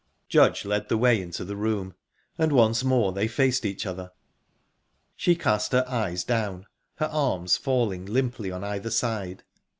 Judge led the way into the room, and once more they faced each other; she cast her eyes down, her arms falling limply on either side.